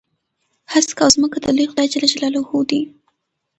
هسک او ځمکه د لوی خدای جل جلاله دي.